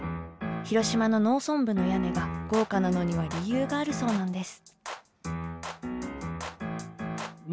広島の農村部の屋根が豪華なのには理由があるそうなんです。